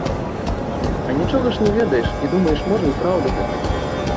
А нічога ж не ведаеш, і думаеш можа і праўда гэта.